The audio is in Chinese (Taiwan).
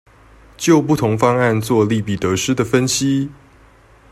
就不同方案作利弊得失的分析